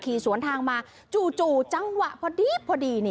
ขี่สวนทางมาจู่จังหวะพอดีนี่